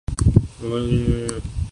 معمول کی چھانٹی